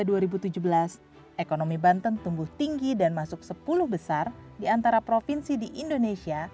pada tahun dua ribu tujuh belas ekonomi banten tumbuh tinggi dan masuk sepuluh besar di antara provinsi di indonesia